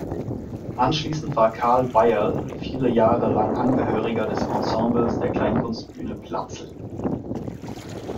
Anschließend war Carl Baierl viele Jahre lang Angehöriger des Ensembles der Kleinkunstbühne Platzl.